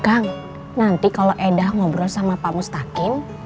kang nanti kalau edah ngobrol sama pak mustaqim